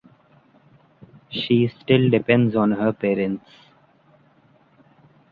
She still depends on her parents.